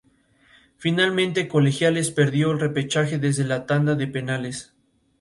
Finalmente Colegiales perdió el repechaje desde la tanda de penales.